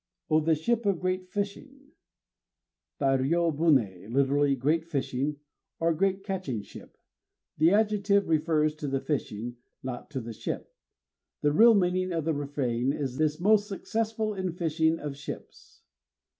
O this ship of great fishing! Tai ryô buné, lit.: "great fishing," or "great catching ship." The adjective refers to the fishing, not to the ship. The real meaning of the refrain is, "this most successful in fishing of ships."